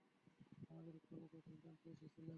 আমাদের কলাকৌশল জানতে এসেছিলো।